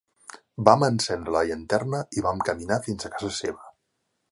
Vam encendre la llanterna i vam caminar fins a casa seva.